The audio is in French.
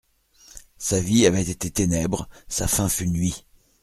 Sa vie avait été ténèbres ; sa fin fut nuit.